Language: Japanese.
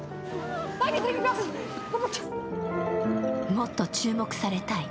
もっと注目されたい。